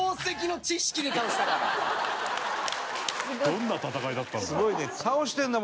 どんな戦いだったんだ。